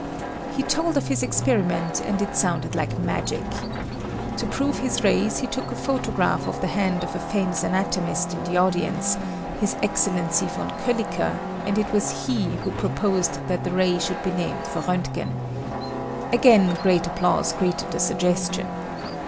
He told of his experiment and it sounded like magic. To prove his rays he took a photograph of the hand of a famous anatomist in the audience, His Excellency von Kolliker, and it was he who proposed that the ray should be named for Roentgen. Again great applause greeted the suggestion.